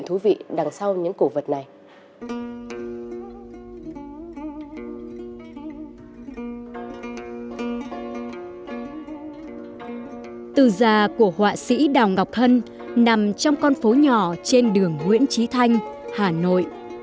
trong ngọc hân nằm trong con phố nhỏ trên đường nguyễn trí thanh hà nội